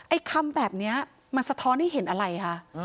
คำแบบนี้มันสะท้อนให้เห็นอะไรคะ